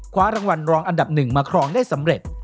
คว้ารางวัลรองอันดับ๑มาครองได้สำเร็จ